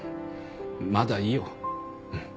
まだいいよ。